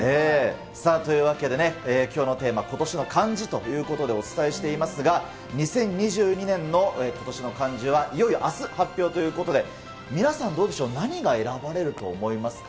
さあ、というわけで、ことしのテーマ、今年の漢字ということでお伝えしていますが、２０２２年の今年の漢字はいよいよあす発表ということで、皆さん、どうでしょう、何が選ばれると思いますか。